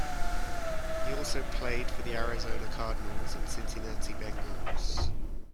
He also played for the Arizona Cardinals and Cincinnati Bengals.